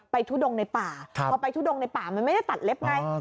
ทุดงในป่าพอไปทุดงในป่ามันไม่ได้ตัดเล็บไง